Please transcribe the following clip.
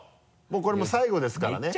もうこれもう最後ですからね。